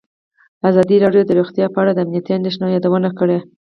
ازادي راډیو د روغتیا په اړه د امنیتي اندېښنو یادونه کړې.